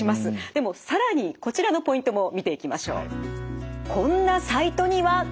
でも更にこちらのポイントも見ていきましょう。